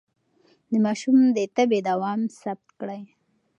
د ماشوم د تبه دوام ثبت کړئ.